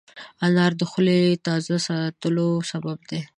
انار د خولې تازه ساتلو سبب دی.